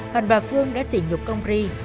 hận bà phương đã xỉ nhục ông ri